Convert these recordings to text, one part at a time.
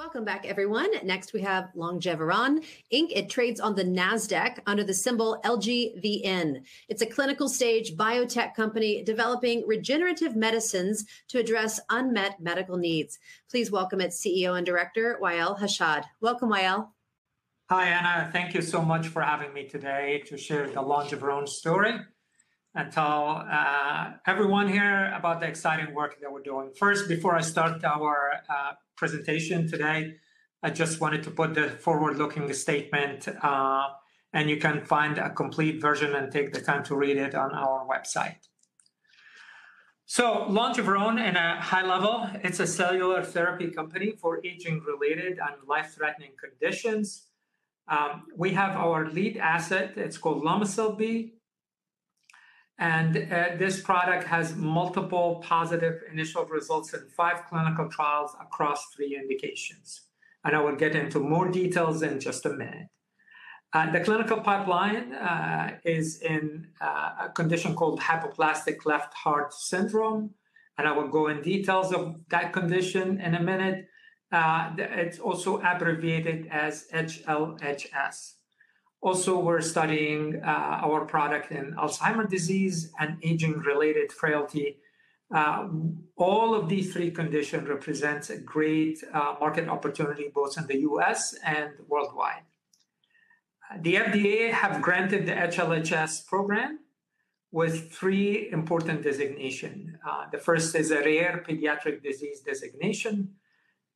Welcome back, everyone. Next, we have Longeveron Inc. It trades on the Nasdaq under the symbol LGVN. It's a clinical stage biotech company developing regenerative medicines to address unmet medical needs. Please welcome its CEO and director, Wa'el Hashad. Welcome, Wa'el. Hi, Ana. Thank you so much for having me today to share the Longeveron story and tell everyone here about the exciting work that we're doing. First, before I start our presentation today, I just wanted to put the forward-looking statement, and you can find a complete version and take the time to read it on our website. So, Longeveron, in a high level, it's a cellular therapy company for aging-related and life-threatening conditions. We have our lead asset. It's called Lomecel-B. And this product has multiple positive initial results in five clinical trials across three indications. And I will get into more details in just a minute. The clinical pipeline is in a condition called hypoplastic left heart syndrome. And I will go in details of that condition in a minute. It's also abbreviated as HLHS. Also, we're studying our product in Alzheimer's disease and aging-related frailty. All of these three conditions represent a great market opportunity, both in the U.S. and worldwide. The FDA has granted the HLHS program with three important designations. The first is a Rare Pediatric Disease designation.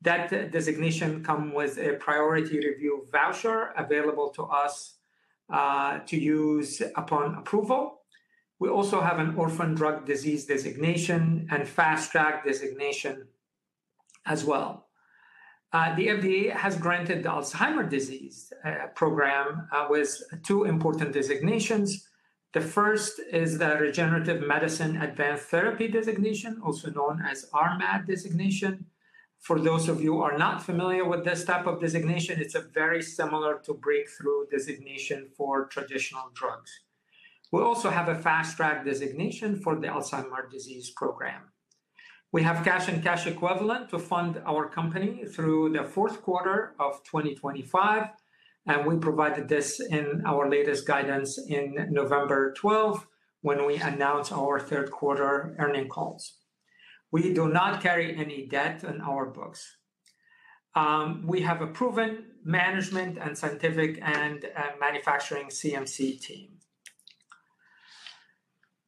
That designation comes with a priority review voucher available to us to use upon approval. We also have an Orphan Drug designation and fast-track designation as well. The FDA has granted the Alzheimer's disease program with two important designations. The first is the Regenerative Medicine Advanced Therapy designation, also known as RMAT designation. For those of you who are not familiar with this type of designation, it's very similar to breakthrough designation for traditional drugs. We also have a fast-track designation for the Alzheimer's disease program. We have cash and cash equivalents to fund our company through the fourth quarter of 2025. We provided this in our latest guidance on November 12 when we announced our third quarter earnings call. We do not carry any debt in our books. We have a proven management and scientific and manufacturing CMC team.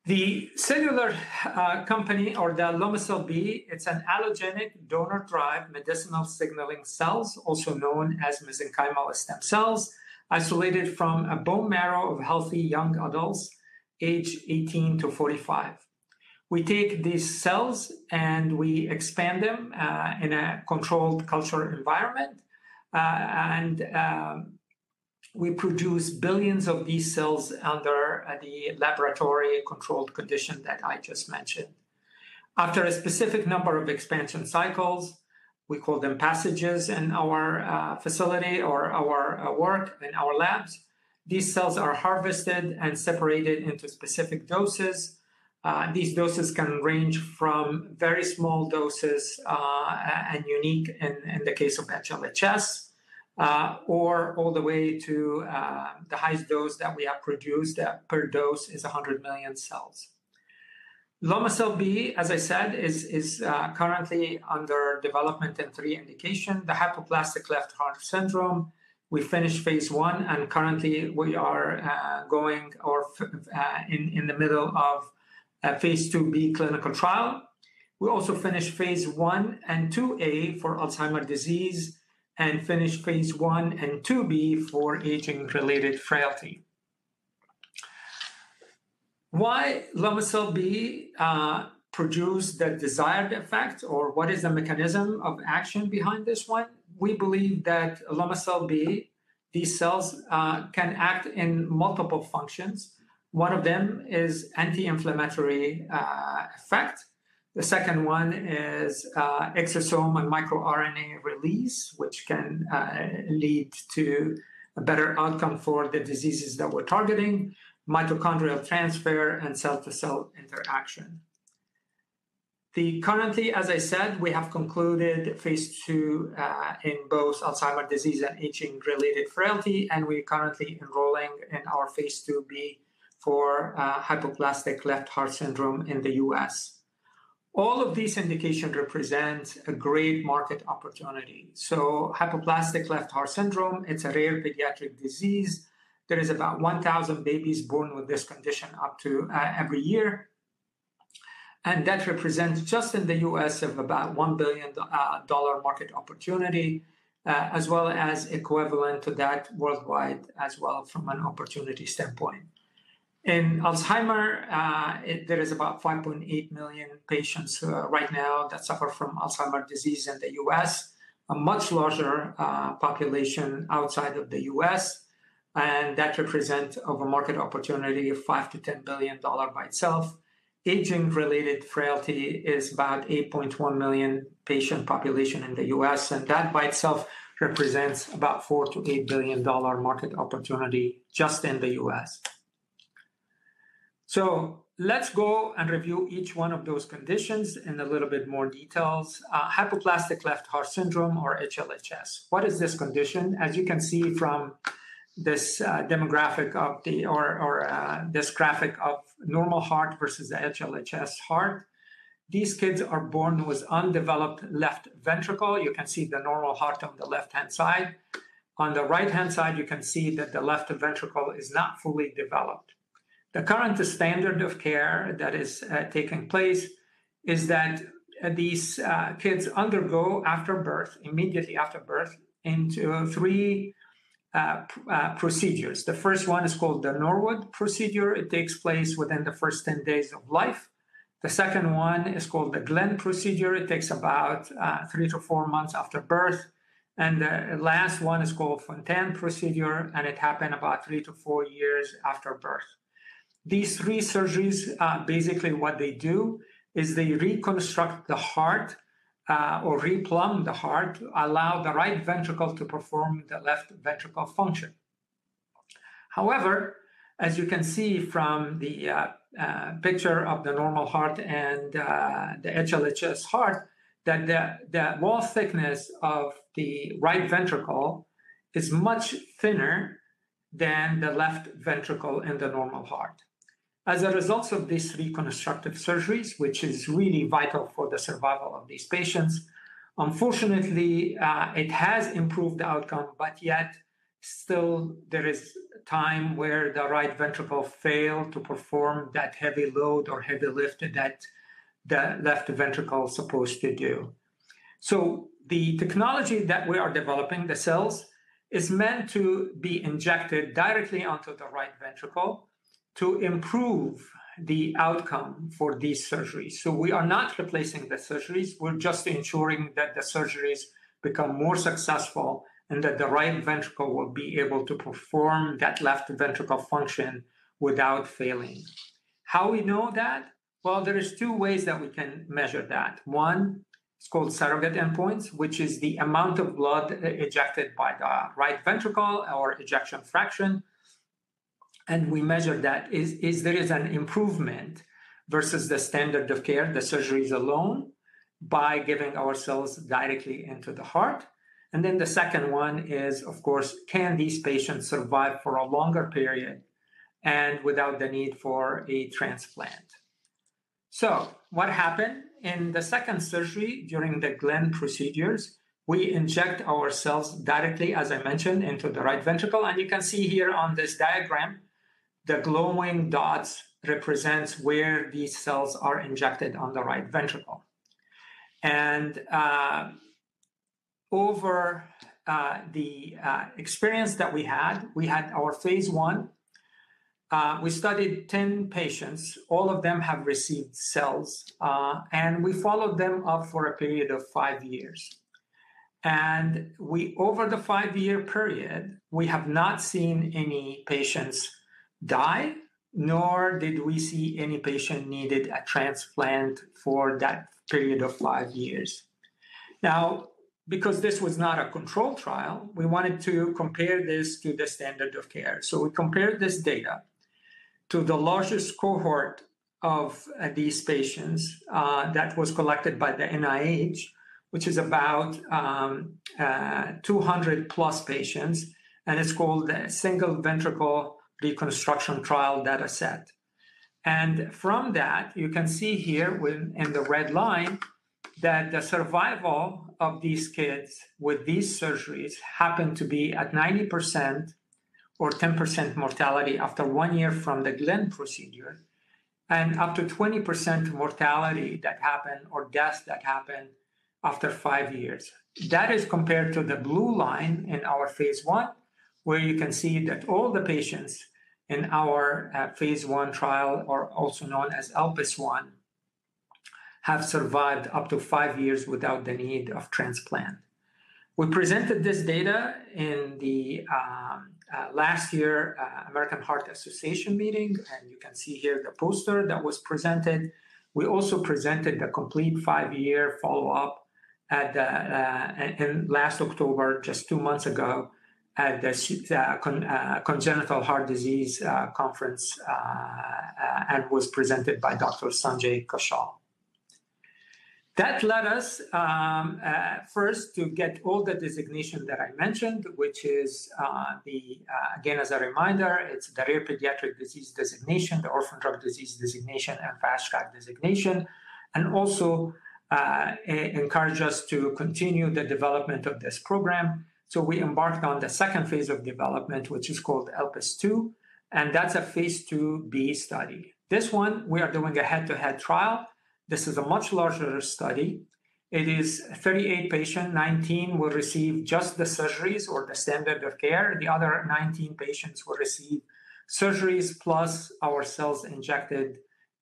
The cellular therapy or the Lomecel-B, it's an allogeneic donor-derived medicinal signaling cells, also known as mesenchymal stem cells, isolated from bone marrow of healthy young adults aged 18 to 45. We take these cells and we expand them in a controlled culture environment. We produce billions of these cells under the laboratory-controlled condition that I just mentioned. After a specific number of expansion cycles, we call them passages in our facility or our work in our labs, these cells are harvested and separated into specific doses. These doses can range from very small doses and unique in the case of HLHS or all the way to the highest dose that we have produced that per dose is 100 million cells. Lomecel-B, as I said, is currently under development in three indications: Hypoplastic Left Heart Syndrome. We finished phase 1, and currently we are going in the middle of a phase 2b clinical trial. We also finished phase 1 and 2a for Alzheimer's disease and finished phase 1 and 2b for aging-related frailty. Why does Lomecel-B produce the desired effect, or what is the mechanism of action behind this one? We believe that Lomecel-B, these cells can act in multiple functions. One of them is anti-inflammatory effect. The second one is exosome and microRNA release, which can lead to a better outcome for the diseases that we're targeting, mitochondrial transfer, and cell-to-cell interaction. Currently, as I said, we have concluded phase two in both Alzheimer's disease and aging-related frailty, and we're currently enrolling in our phase 2B for hypoplastic left heart syndrome in the U.S. All of these indications represent a great market opportunity, so hypoplastic left heart syndrome, it's a rare pediatric disease. There are about 1,000 babies born with this condition up to every year, and that represents just in the U.S. of about $1 billion market opportunity, as well as equivalent to that worldwide as well from an opportunity standpoint. In Alzheimer's, there are about 5.8 million patients right now that suffer from Alzheimer's disease in the U.S., a much larger population outside of the U.S., and that represents a market opportunity of $5 to 10 billion by itself. Aging-related frailty is about 8.1 million patient population in the U.S. That by itself represents about $4 to 8 billion market opportunity just in the U.S. Let's go and review each one of those conditions in a little bit more detail. Hypoplastic Left Heart Syndrome, or HLHS. What is this condition? As you can see from this diagram or this graphic of normal heart versus the HLHS heart, these kids are born with undeveloped left ventricle. You can see the normal heart on the left-hand side. On the right-hand side, you can see that the left ventricle is not fully developed. The current standard of care that is taking place is that these kids undergo after birth, immediately after birth, into three procedures. The first one is called the Norwood procedure. It takes place within the first 10 days of life. The second one is called the Glenn procedure. It takes about three-to-four months after birth. The last one is called Fontan procedure. It happens about three to four years after birth. These three surgeries, basically what they do is they reconstruct the heart or re-plumb the heart, allow the right ventricle to perform the left ventricle function. However, as you can see from the picture of the normal heart and the HLHS heart, the wall thickness of the right ventricle is much thinner than the left ventricle in the normal heart. As a result of these reconstructive surgeries, which is really vital for the survival of these patients, unfortunately, it has improved the outcome. But yet, still, there is a time where the right ventricle fails to perform that heavy load or heavy lift that the left ventricle is supposed to do. The technology that we are developing, the cells, is meant to be injected directly onto the right ventricle to improve the outcome for these surgeries. We are not replacing the surgeries. We're just ensuring that the surgeries become more successful and that the right ventricle will be able to perform that left ventricle function without failing. How do we know that? There are two ways that we can measure that. One, it's called surrogate endpoints, which is the amount of blood ejected by the right ventricle or ejection fraction. We measure that if there is an improvement versus the standard of care, the surgeries alone, by giving our cells directly into the heart. Then the second one is, of course, can these patients survive for a longer period and without the need for a transplant? What happened in the second surgery during the Glenn procedures? We inject our cells directly, as I mentioned, into the right ventricle. You can see here on this diagram, the glowing dots represent where these cells are injected on the right ventricle. Over the experience that we had, we had our phase 1. We studied 10 patients. All of them have received cells. We followed them up for a period of five years. Over the five-year period, we have not seen any patients die, nor did we see any patient needing a transplant for that period of five years. Now, because this was not a controlled trial, we wanted to compare this to the standard of care. We compared this data to the largest cohort of these patients that was collected by the NIH, which is about 200-plus patients. It's called the Single Ventricle Reconstruction trial dataset. From that, you can see here in the red line that the survival of these kids with these surgeries happened to be at 90% or 10% mortality after one year from the Glenn procedure and up to 20% mortality that happened or deaths that happened after five years. That is compared to the blue line in our phase I, where you can see that all the patients in our phase I trial, or also known as ELPIS I, have survived up to five years without the need of transplant. We presented this data in last year's American Heart Association meeting. You can see here the poster that was presented. We also presented the complete five-year follow-up last October, just two months ago, at the Congenital Heart Disease Conference and was presented by Dr. Sanjay Kaushal. That led us first to get all the designations that I mentioned, which is, again, as a reminder, it's the Rare Pediatric Disease designation, the Orphan Drug designation, and Fast Track designation, and also encouraged us to continue the development of this program. So, we embarked on the second phase of development, which is called ELPIS II. And that's a phase 2b study. This one, we are doing a head-to-head trial. This is a much larger study. It is 38 patients. 19 will receive just the surgeries or the standard of care. The other 19 patients will receive surgeries plus our cells injected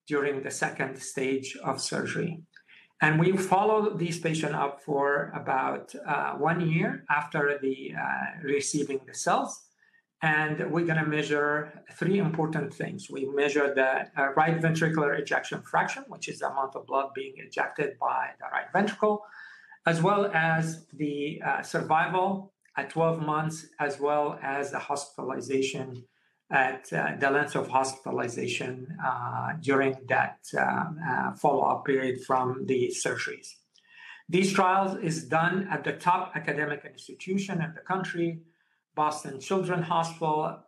during the second stage of surgery. And we followed these patients up for about one year after receiving the cells. And we're going to measure three important things. We measure the right ventricular ejection fraction, which is the amount of blood being ejected by the right ventricle, as well as the survival at 12 months, as well as the hospitalization at the length of hospitalization during that follow-up period from the surgeries. These trials are done at the top academic institutions in the country, Boston Children's Hospital,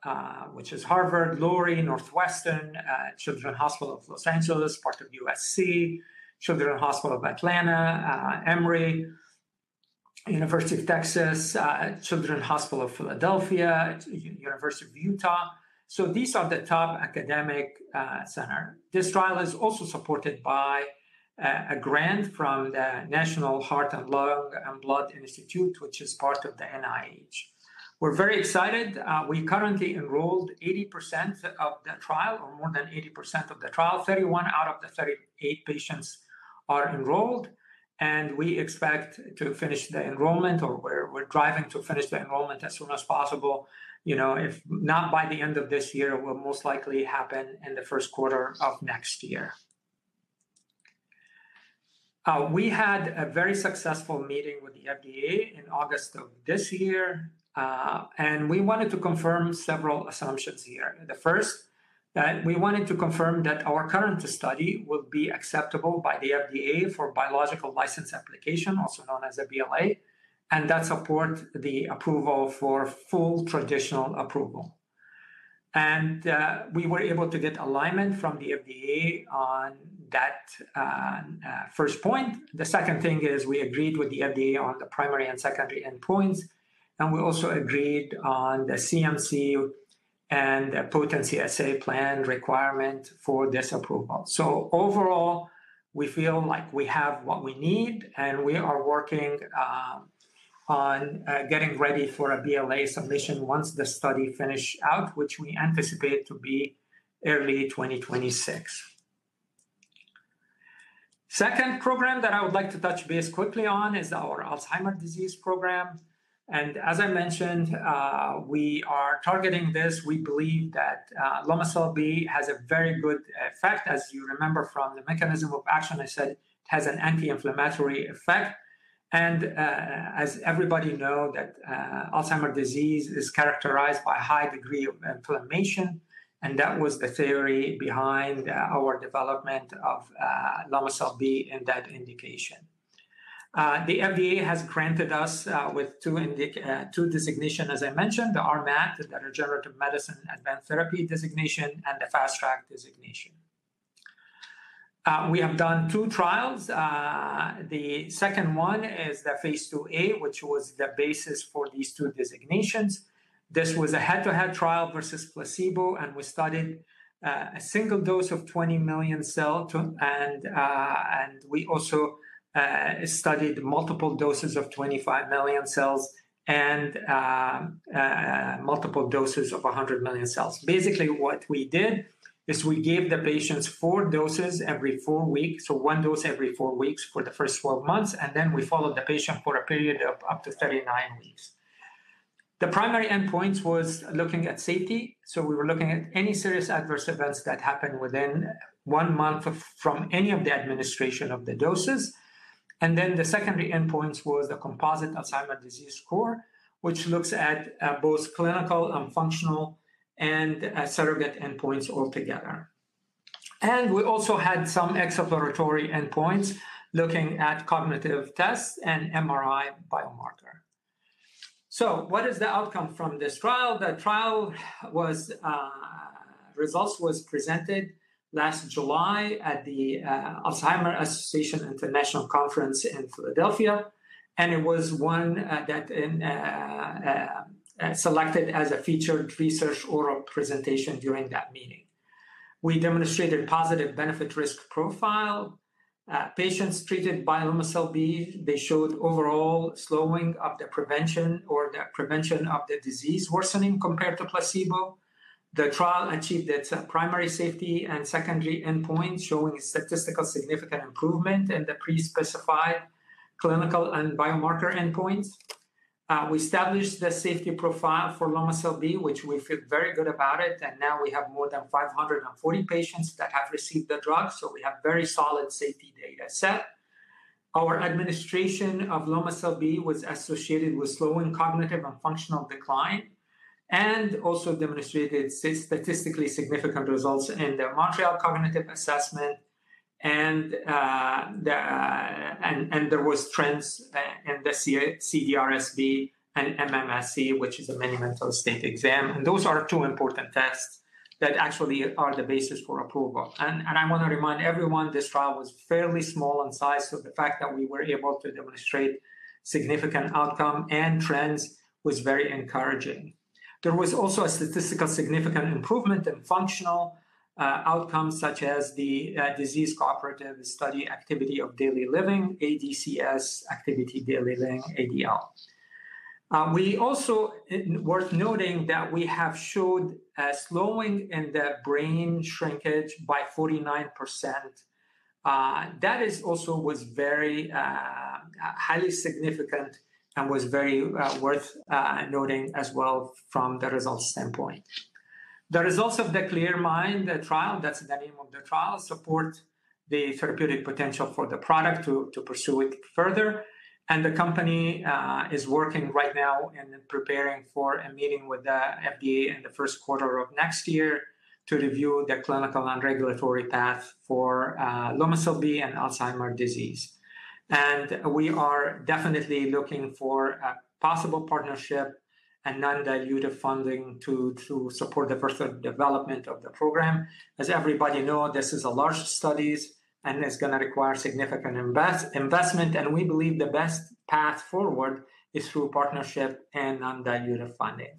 which is Harvard, Lurie, Northwestern, Children's Hospital Los Angeles, part of USC, Children's Hospital of Atlanta, Emory, University of Texas, Children's Hospital of Philadelphia, University of Utah. So, these are the top academic centers. This trial is also supported by a grant from the National Heart, Lung, and Blood Institute, which is part of the NIH. We're very excited. We currently enrolled 80% of the trial or more than 80% of the trial. 31 out of the 38 patients are enrolled. And we expect to finish the enrollment, or we're driving to finish the enrollment as soon as possible. You know, if not by the end of this year, it will most likely happen in the first quarter of next year. We had a very successful meeting with the FDA in August of this year. And we wanted to confirm several assumptions here. The first, we wanted to confirm that our current study will be acceptable by the FDA for Biological License Application, also known as a BLA, and that supports the approval for full traditional approval. And we were able to get alignment from the FDA on that first point. The second thing is we agreed with the FDA on the primary and secondary endpoints. And we also agreed on the CMC and the potency assay plan requirement for this approval. So, overall, we feel like we have what we need, and we are working on getting ready for a BLA submission once the study finishes out, which we anticipate to be early 2026. The second program that I would like to touch base quickly on is our Alzheimer's disease program, and as I mentioned, we are targeting this. We believe that Lomecel-B has a very good effect. As you remember from the mechanism of action, I said it has an anti-inflammatory effect, and as everybody knows, Alzheimer's disease is characterized by a high degree of inflammation. And that was the theory behind our development of Lomecel-B in that indication. The FDA has granted us two designations, as I mentioned, the RMAT, the Regenerative Medicine Advanced Therapy designation, and the Fast Track designation. We have done two trials. The second one is the phase 2a, which was the basis for these two designations. This was a head-to-head trial versus placebo, and we studied a single dose of 20 million cells, and we also studied multiple doses of 25 million cells and multiple doses of 100 million cells. Basically, what we did is we gave the patients four doses every four weeks, so one dose every four weeks for the first 12 months, and then we followed the patient for a period of up to 39 weeks. The primary endpoints were looking at safety, so we were looking at any serious adverse events that happened within one month from any of the administration of the doses, and then the secondary endpoints were the composite Alzheimer's disease score, which looks at both clinical and functional and surrogate endpoints altogether. We also had some exploratory endpoints looking at cognitive tests and MRI biomarkers. What is the outcome from this trial? The trial results were presented last July at the Alzheimer's Association International Conference in Philadelphia. It was one that was selected as a featured research oral presentation during that meeting. We demonstrated a positive benefit-risk profile. Patients treated by Lomecel-B, they showed overall slowing of the progression or prevention of the disease worsening compared to placebo. The trial achieved its primary safety and secondary endpoints, showing statistically significant improvement in the pre-specified clinical and biomarker endpoints. We established the safety profile for Lomecel-B, which we feel very good about. Now we have more than 540 patients that have received the drug. We have very solid safety datasets. Our administration of Lomecel-B was associated with slowing cognitive and functional decline and also demonstrated statistically significant results in the Montreal Cognitive Assessment, and there were trends in the CDR-SB and MMSE, which is a Mini-Mental State Exam, and those are two important tests that actually are the basis for approval, and I want to remind everyone, this trial was fairly small in size, so the fact that we were able to demonstrate significant outcomes and trends was very encouraging. There was also a statistically significant improvement in functional outcomes, such as the Alzheimer's Disease Cooperative Study Activity of Daily Living, ADCS, Activity of Daily Living, ADL. It's also worth noting that we have shown a slowing in the brain shrinkage by 49%. That also was very highly significant and was very worth noting as well from the results standpoint. The results of the ClearMind trial, that's the name of the trial, support the therapeutic potential for the product to pursue it further, and the company is working right now and preparing for a meeting with the FDA in the first quarter of next year to review the clinical and regulatory path for Lomecel-B and Alzheimer's disease. And we are definitely looking for a possible partnership and non-dilutive funding to support the further development of the program. As everybody knows, this is a large study and it's going to require significant investment, and we believe the best path forward is through partnership and non-dilutive funding.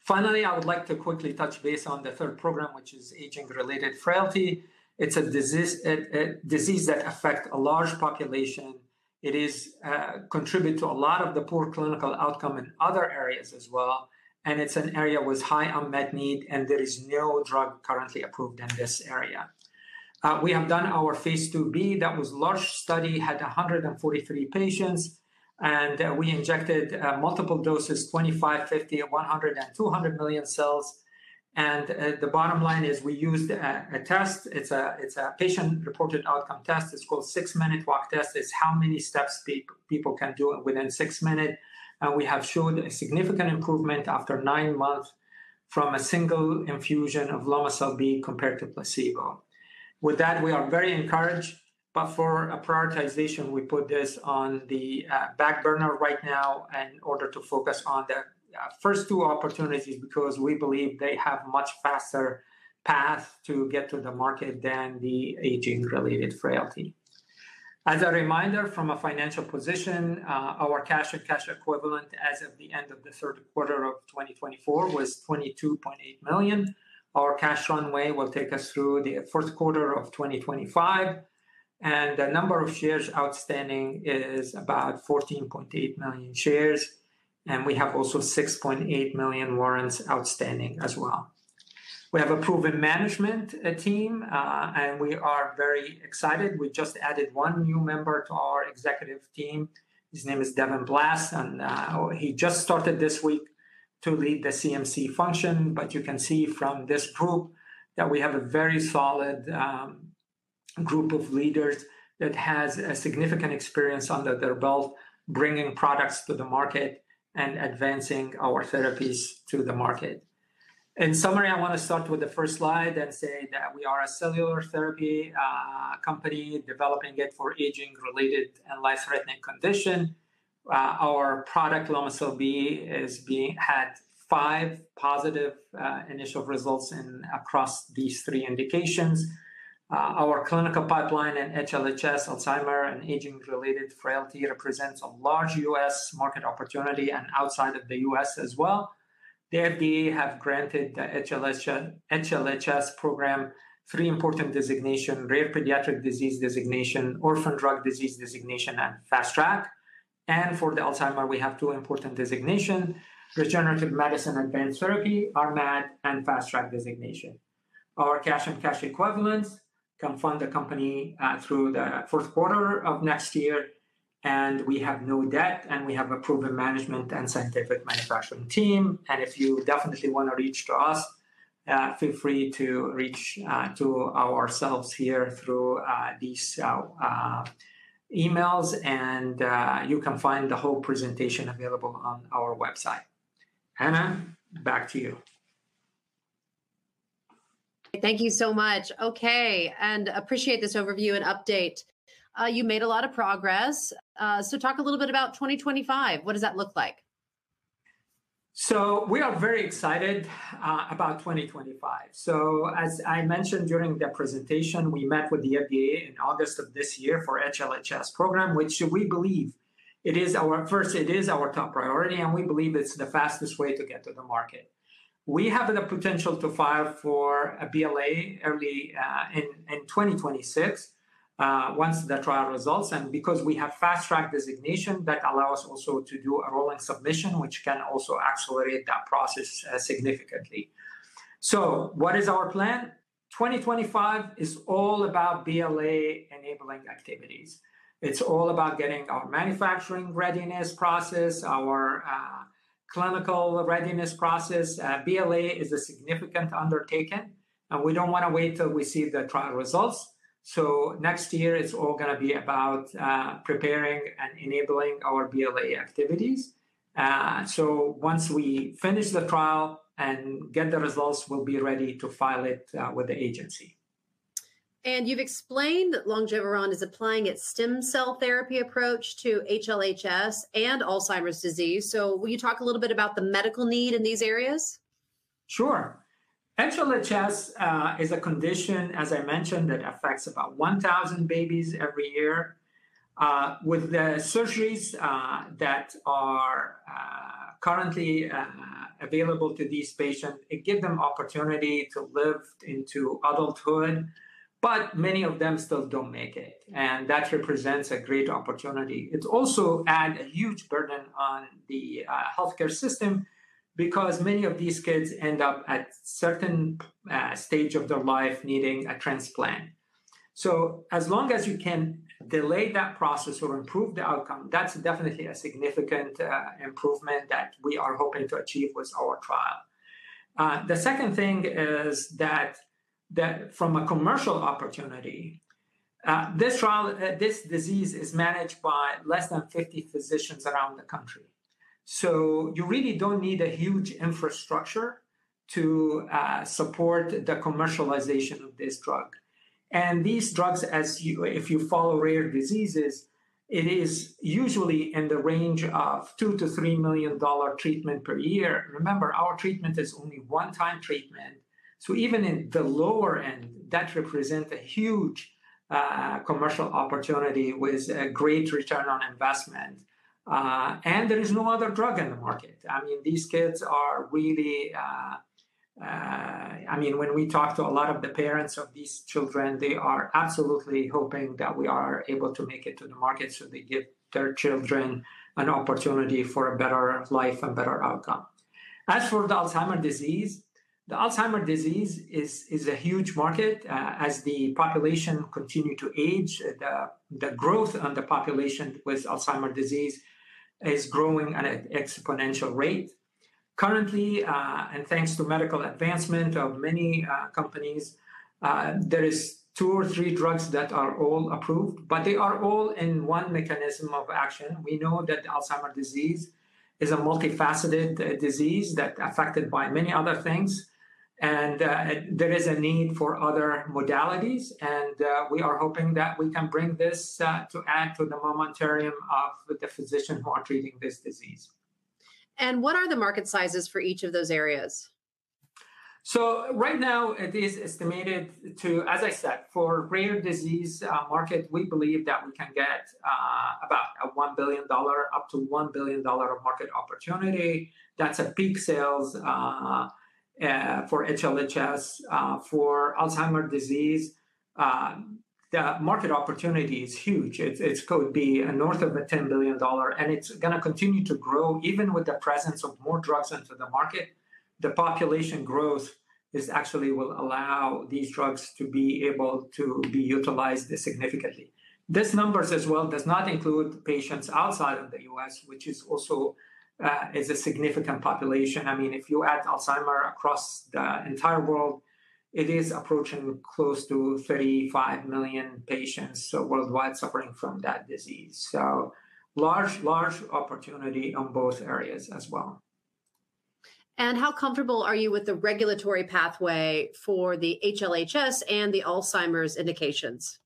Finally, I would like to quickly touch base on the third program, which is aging-related frailty. It's a disease that affects a large population. It contributes to a lot of the poor clinical outcome in other areas as well. It's an area with high unmet need. There is no drug currently approved in this area. We have done our phase 2b. That was a large study. It had 143 patients. We injected multiple doses, 25, 50, 100, and 200 million cells. The bottom line is we used a test. It's a patient-reported outcome test. It's called the Six-Minute Walk Test. It's how many steps people can do within six minutes. We have shown a significant improvement after nine months from a single infusion of Lomecel-B compared to placebo. With that, we are very encouraged. For prioritization, we put this on the back burner right now in order to focus on the first two opportunities because we believe they have a much faster path to get to the market than the aging-related frailty. As a reminder, from a financial position, our cash and cash equivalents as of the end of the third quarter of 2024 was $22.8 million. Our cash runway will take us through the first quarter of 2025, and the number of shares outstanding is about 14.8 million shares, and we have also 6.8 million warrants outstanding as well. We have a proven management team, and we are very excited. We just added one new member to our executive team. His name is Devin Blass, and he just started this week to lead the CMC function, but you can see from this group that we have a very solid group of leaders that has significant experience under their belt, bringing products to the market and advancing our therapies to the market. In summary, I want to start with the first slide and say that we are a cellular therapy company developing it for aging-related and life-threatening conditions. Our product, Lomecel-B, has had five positive initial results across these three indications. Our clinical pipeline in HLHS, Alzheimer's, and aging-related frailty represents a large U.S. market opportunity and outside of the U.S. as well. The FDA has granted the HLHS program three important designations: Rare Pediatric Disease designation, Orphan Drug designation, and Fast Track. For Alzheimer's, we have two important designations: Regenerative Medicine Advanced Therapy, RMAT, and Fast Track designation. Our cash and cash equivalents can fund the company through the fourth quarter of next year. We have no debt. We have a proven management and scientific manufacturing team. If you definitely want to reach to us, feel free to reach to ourselves here through these emails. And you can find the whole presentation available on our website. Ana, back to you. Thank you so much. OK. And I appreciate this overview and update. You made a lot of progress. So, talk a little bit about 2025. What does that look like? So, we are very excited about 2025. So, as I mentioned during the presentation, we met with the FDA in August of this year for the HLHS program, which we believe is our top priority. And we believe it's the fastest way to get to the market. We have the potential to file for a BLA early in 2026 once the trial results. And because we have Fast Track designation, that allows us also to do a rolling submission, which can also accelerate that process significantly. So, what is our plan? 2025 is all about BLA enabling activities. It's all about getting our manufacturing readiness process, our clinical readiness process. BLA is a significant undertaking. And we don't want to wait till we see the trial results. So, next year, it's all going to be about preparing and enabling our BLA activities. So, once we finish the trial and get the results, we'll be ready to file it with the agency. And you've explained that Longeveron is applying its stem cell therapy approach to HLHS and Alzheimer's disease. So, will you talk a little bit about the medical need in these areas? Sure. HLHS is a condition, as I mentioned, that affects about 1,000 babies every year. With the surgeries that are currently available to these patients, it gives them the opportunity to live into adulthood. But many of them still don't make it. And that represents a great opportunity. It also adds a huge burden on the health care system because many of these kids end up at a certain stage of their life needing a transplant. So, as long as you can delay that process or improve the outcome, that's definitely a significant improvement that we are hoping to achieve with our trial. The second thing is that from a commercial opportunity, this disease is managed by less than 50 physicians around the country. So, you really don't need a huge infrastructure to support the commercialization of this drug, and these drugs, if you follow rare diseases, it is usually in the range of $2 to 3 million treatment per year. Remember, our treatment is only a one-time treatment. So, even in the lower end, that represents a huge commercial opportunity with a great return on investment, and there is no other drug in the market. I mean, when we talk to a lot of the parents of these children, they are absolutely hoping that we are able to make it to the market so they give their children an opportunity for a better life and better outcome. As for the Alzheimer's disease, the Alzheimer's disease is a huge market. As the population continues to age, the growth in the population with Alzheimer's disease is growing at an exponential rate. Currently, and thanks to medical advancement of many companies, there are two or three drugs that are all approved, but they are all in one mechanism of action. We know that Alzheimer's disease is a multifaceted disease that is affected by many other things, and there is a need for other modalities. We are hoping that we can bring this to add to the armamentarium of the physicians who are treating this disease. What are the market sizes for each of those areas? Right now, it is estimated to, as I said, for the rare disease market, we believe that we can get about $1 billion, up to $1 billion of market opportunity. That's peak sales for HLHS. For Alzheimer's disease, the market opportunity is huge. It could be north of $10 billion. It's going to continue to grow even with the presence of more drugs into the market. The population growth actually will allow these drugs to be able to be utilized significantly. This number as well does not include patients outside of the U.S., which is also a significant population. I mean, if you add Alzheimer's across the entire world, it is approaching close to 35 million patients worldwide suffering from that disease. So, large opportunity in both areas as well. And how comfortable are you with the regulatory pathway for the HLHS and the Alzheimer's indications?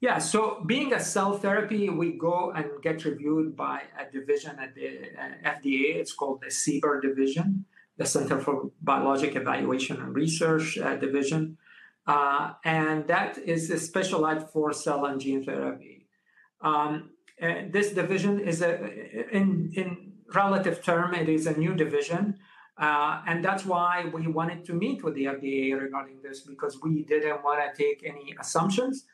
Yeah. So, being a cell therapy, we go and get reviewed by a division at the FDA. It's called the CBER division, the Center for Biologics Evaluation and Research Division. And that is specialized for cell and gene therapy. This division is, in relative terms, a new division. And that's why we wanted to meet with the FDA regarding this because we didn't want to take any assumptions.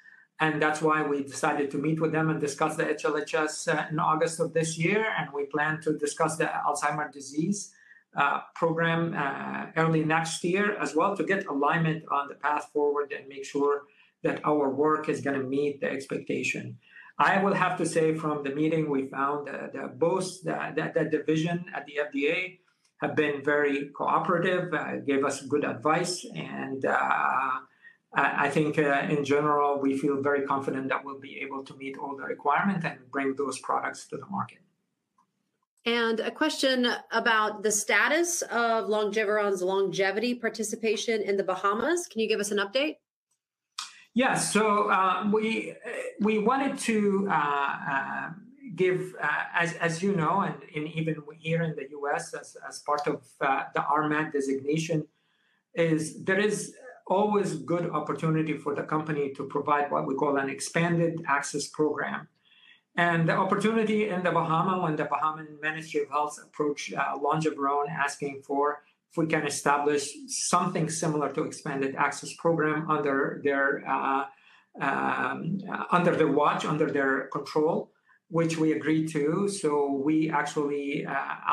And that's why we decided to meet with them and discuss the HLHS in August of this year. We plan to discuss the Alzheimer's disease program early next year as well to get alignment on the path forward and make sure that our work is going to meet the expectation. I have to say from the meeting, we found that both that division at the FDA have been very cooperative. They gave us good advice. I think, in general, we feel very confident that we'll be able to meet all the requirements and bring those products to the market. A question about the status of Longeveron's longevity participation in the Bahamas. Can you give us an update? Yes. So, we wanted to give, as you know, and even here in the U.S., as part of the RMAT designation, there is always a good opportunity for the company to provide what we call an expanded access program. The opportunity in The Bahamas, when the Bahamas Ministry of Health approached Longeveron asking if we can establish something similar to an expanded access program under their watch, under their control, which we agreed to. So, we actually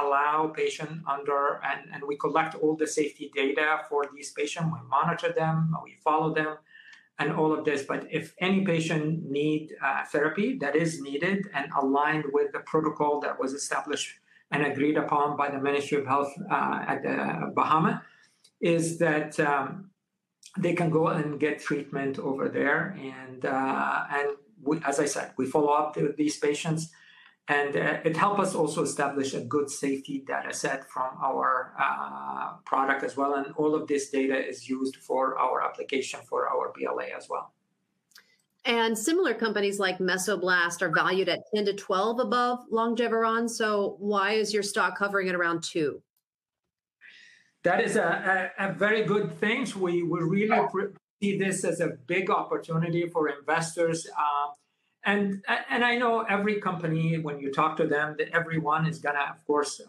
allow patients under, and we collect all the safety data for these patients. We monitor them. We follow them. And all of this. But if any patient needs therapy that is needed and aligned with the protocol that was established and agreed upon by the Ministry of Health of The Bahamas, is that they can go and get treatment over there. And, as I said, we follow up with these patients. And it helps us also establish a good safety data set from our product as well. And all of this data is used for our application for our BLA as well. Similar companies like Mesoblast are valued at $10-$12 above Longeveron. Why is your stock hovering at around $2? That is a very good thing. We really see this as a big opportunity for investors. I know every company, when you talk to them, everyone is going to, of course,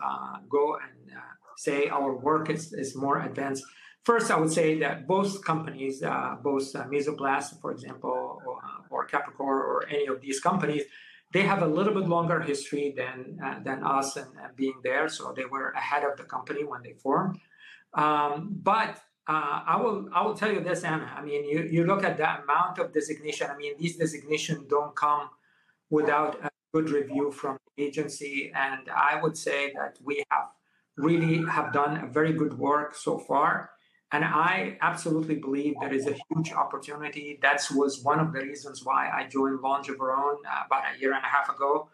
go and say our work is more advanced. First, I would say that both companies, both Mesoblast, for example, or Capricor, or any of these companies, they have a little bit longer history than us in being there. They were ahead of the company when they formed. I will tell you this, Ana. I mean, you look at the amount of designation. I mean, these designations don't come without a good review from the agency. I would say that we have really done very good work so far. I absolutely believe there is a huge opportunity. That was one of the reasons why I joined Longeveron about a year and a half ago,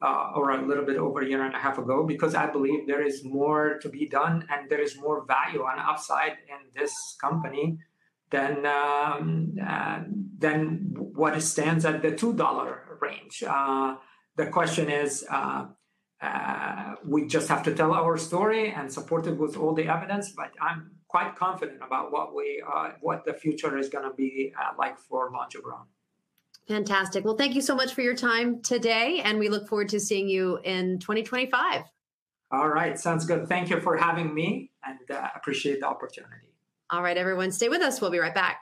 or a little bit over a year and a half ago, because I believe there is more to be done. There is more value on the upside in this company than what stands at the $2 range. The question is, we just have to tell our story and support it with all the evidence. I'm quite confident about what the future is going to be like for Longeveron. Fantastic. Thank you so much for your time today. We look forward to seeing you in 2025. All right. Sounds good. Thank you for having me. I appreciate the opportunity. All right, everyone, stay with us. We'll be right back.